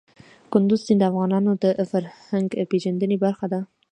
کندز سیند د افغانانو د فرهنګي پیژندنې برخه ده.